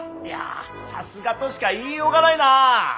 いやさすがとしか言いようがないな。